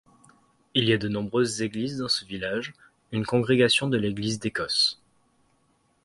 Il y a de nombreuses églises dans ce village, une congrégation de l'Église d'Écosse.